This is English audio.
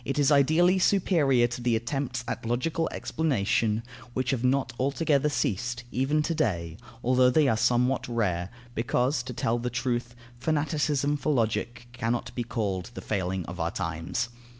It is ideally superior to the attempts at logical explanation, which have not altogether ceased, even to day, although they are somewhat rare, because, to tell the truth, fanaticism for Logic cannot be called the failing of our times.